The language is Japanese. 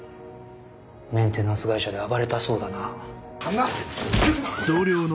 メンテナンス会社で暴れたそうだな。